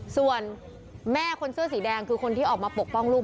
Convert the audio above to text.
ส่วนแม่คนเสื้อสีแดงคือคนที่ออกมาปกป้องลูก